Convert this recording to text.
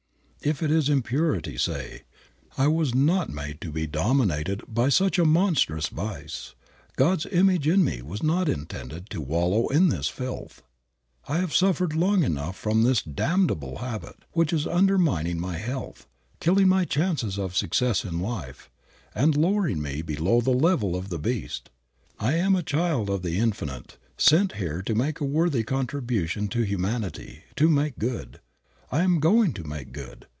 If it is impurity, say, "I was not made to be dominated by such a monstrous vice. God's image in me was not intended to wallow in this filth. I have suffered long enough from this damnable habit, which is undermining my health, killing my chances of success in life, and lowering me below the level of the beast. I am a child of the Infinite, sent here to make a worthy contribution to humanity, to make good. I am going to make good.